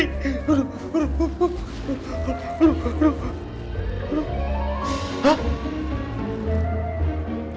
aduh aduh aduh aduh